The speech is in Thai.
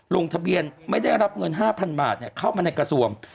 ลงทะเบียนไม่ได้รับเงิน๕๐๐๐บาทเข้ามาในกระทรวง